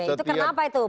itu karena apa itu